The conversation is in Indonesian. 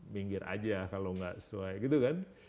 pinggir aja kalau nggak sesuai gitu kan